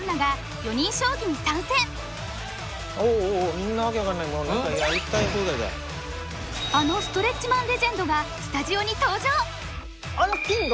みんな訳分かんないまま何かあのストレッチマン・レジェンドがスタジオに登場！